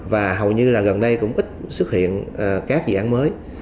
và hầu như là gần đây cũng ít xuất hiện các dự án mới